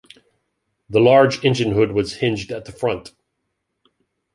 The large engine hood was hinged at the front.